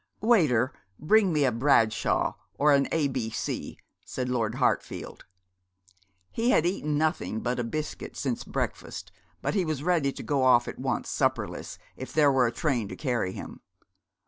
'Waiter, bring me a Bradshaw, or an A B C,' said Lord Hartfield. He had eaten nothing but a biscuit since breakfast, but he was ready to go off at once, supperless, if there were a train to carry him.